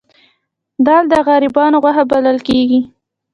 دال د غریبانو غوښه بلل کیږي